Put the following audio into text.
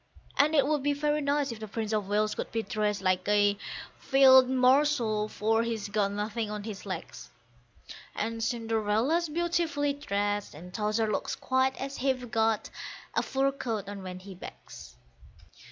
And it would be very nice if the Prince of Wales could be dressed like a Field marshal, for he's got nothing on his legs; And Cinderella's beautifully dressed, and Towser looks quite as if he'd got a fur coat on when he begs.